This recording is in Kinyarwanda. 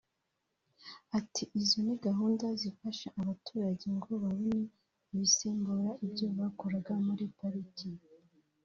Ati “Izo ni gahunda zifasha abaturage ngo babone ibisimbura ibyo bakuraga muri pariki